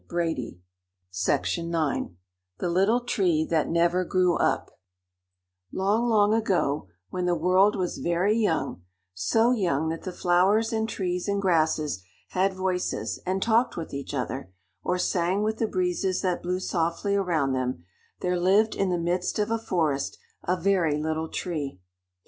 CHAPTER III THE LITTLE TREE THAT NEVER GREW UP Long, long ago, when the world was very young, so young that the flowers and trees and grasses had voices and talked with each other, or sang with the breezes that blew softly around them, there lived in the midst of a forest a very little tree.